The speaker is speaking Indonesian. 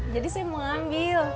jadi saya mau ngambil